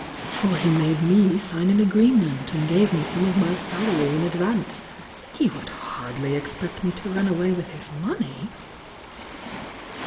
"For he made me Mgn an agreement, and gave me some of my sal ary in advan^ e — he would hardly expect me to run away with his money?"